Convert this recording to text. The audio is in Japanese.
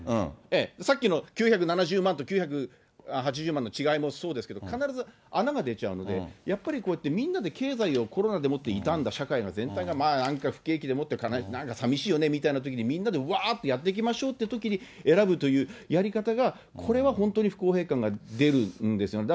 さっきの９７０万と９８０万の違いもそうですけど、必ず穴が出ちゃうので、やっぱりこうやってみんなで経済を、コロナでもって痛んだ社会の全体がなんか不景気で、なんかさみしいよね、みたいなときに、みんなでうわーってやっていきましょうっていうときに選ぶというやり方が、これは本当に不公平感が出るんですよ。